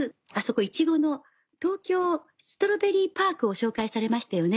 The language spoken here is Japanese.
いちごの東京ストロベリーパークを紹介されましたよね。